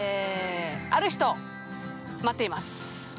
ある人を待っています。